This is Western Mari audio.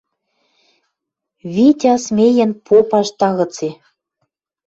Витя смеен попаш тагыце.